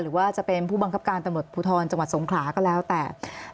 หรือว่าจะเป็นผู้บังคับการตำรวจภูทรจังหวัดสงขลาก็แล้วแต่